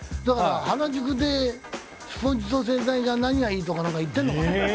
だから原宿でスポンジと洗剤が何がいいとかなんか言ってんのかな？